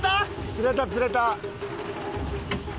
釣れた釣れた。